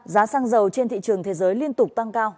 giá xăng dầu trên thị trường thế giới liên tục tăng cao